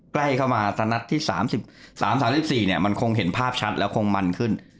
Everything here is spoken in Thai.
ใกล้เข้ามาสนัดที่๓๓๔มันคงเห็นภาพชัดแล้วคงมันขึ้น